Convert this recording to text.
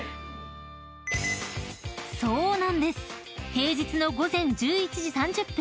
［平日の午前１１時３０分